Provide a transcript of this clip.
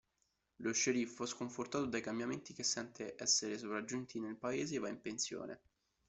Lo sceriffo, sconfortato dai cambiamenti che sente essere sopraggiunti nel paese, va in pensione.